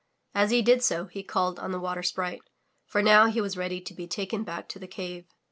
As he did so, he called on the Water Sprite, for now he was ready to be taken back to the cave.